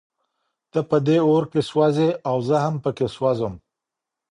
ته په دې اور کې سوزې او زه هم پکې سوزم.